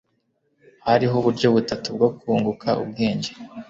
hariho uburyo butatu bwo kunguka ubwenge